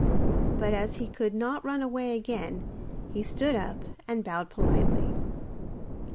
But as he could not run away again he stood up and bowed politely.